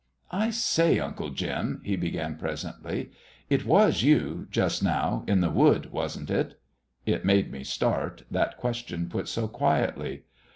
"I say, Uncle Jim," he began presently, "it was you just now in the wood wasn't it?" It made me start, that question put so quietly.